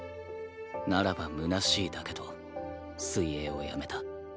ならばむなしいだけと水泳をやめた。